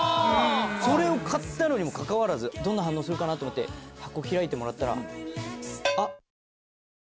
それを買ったのにもかかわらずどんな反応するかなと思って箱開いてもらったら。